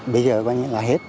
bây giờ coi như là hết